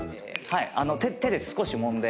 手で少しもんで。